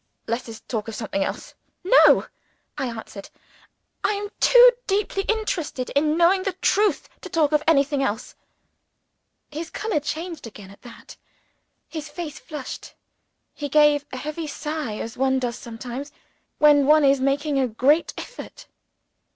"Let us talk of something else." "No!" I answered. "I am too deeply interested in knowing the truth to talk of anything else." His color changed again at that. His face flushed; he gave a heavy sigh as one does sometimes, when one is making a great effort.